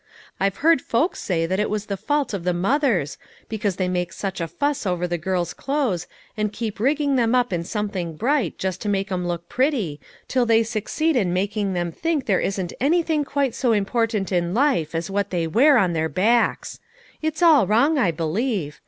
I've heard folks say that it is the fault of the mothers, because they make such a fuss over the girls' clothes, and keep rigging them up in some thing bright, just to make 'em look pretty, till they succeed in making them think there isn't anything quite so important in life as what they wear on their backs. It's all wrong, I believe.